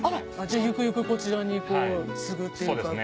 ゆくゆくこちらに継ぐっていうか。